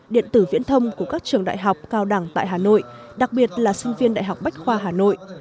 điện tử viễn thông của các trường đại học cao đẳng tại hà nội đặc biệt là sinh viên đại học bách khoa hà nội